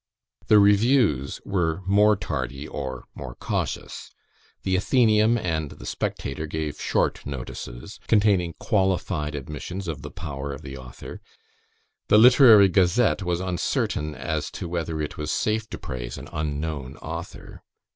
The Reviews were more tardy, or more cautious. The Athenaeum and the Spectator gave short notices, containing qualified admissions of the power of the author. The Literary Gazette was uncertain as to whether it was safe to praise an unknown author.